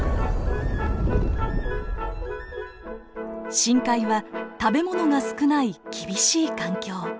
深海は食べ物が少ない厳しい環境。